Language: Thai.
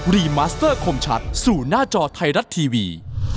รีมาสเตอร์คมชัดสู่หน้าจอไทยรัฐทีวี